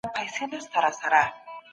صنعتي سکتور څنګه د پانګونې فرصتونه لټوي؟